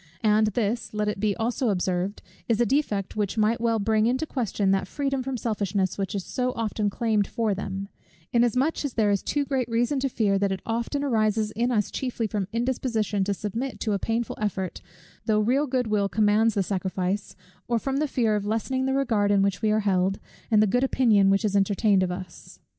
And this, let it be also observed, is a defect which might well bring into question that freedom from selfishness, which is so often claimed for them; inasmuch as there is too great reason to fear, that it often arises in us chiefly from indisposition to submit to a painful effort, though real good will commands the sacrifice, or from the fear of lessening the regard in which we are held, and the good opinion which is entertained of us.